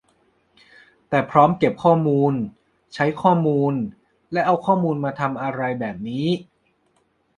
แต่พร้อมเก็บข้อมูล ใช้ข้อมูล และเอาข้อมูลมาทำอะไรแบบนี้